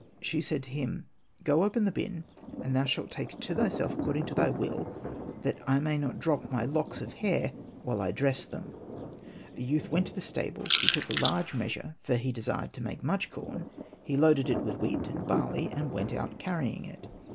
She said to him, *'Go, open the bin, and thou shalt take to thyself according to thy will, that I may not drop my locks of hair while I dress them/' WAITING FOR CORN The youth went into the stable ; he took a large measure, for he desired to take much corn ; he loaded it with wheat and barley ; and he went out carrying it.